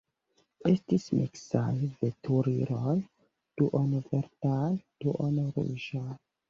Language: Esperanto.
Estis miksaj veturiloj duon-verdaj, duon-ruĝaj.